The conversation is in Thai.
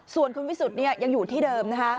ส่วนคุณวิสุทธิ์ยังอยู่ที่เดิมนะคะ